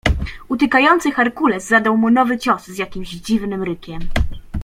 "Utykający herkules zadał mu nowy cios z jakimś dziwnym rykiem."